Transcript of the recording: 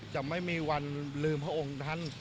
จะไม่มีวันลืมพระองค์ท่าน